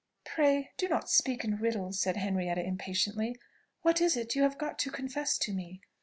"Pray do not speak in riddles," said Henrietta impatiently. "What is it you have got to confess to me?